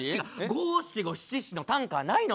五・七・五・七・七の短歌はないのか？